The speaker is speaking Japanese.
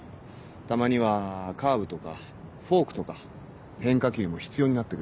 たまにはカーブとかフォークとか変化球も必要になってくる。